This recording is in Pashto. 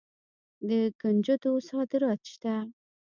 د کنجدو صادرات شته.